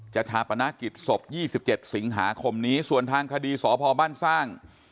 จะชาปนกฤษภพยี่สิบเจ็ดสิงหาคมนี้ส่วนทางคดีสพบ้านสร้าง